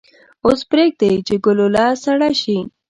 اوس پریږدئ چې ګلوله سړه شي.